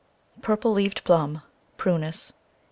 Purple leaved Plum, 44 Prunus.